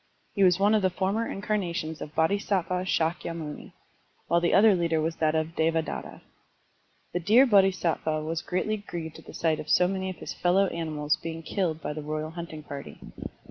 He was one of the former incarnations of Bodhisattva Shakyamuni, while the other leader was that of Devadatta. The Deer Bodhisattva was greatly grieved at the sight of so many of his fellow animals being killed by the royal hunting party.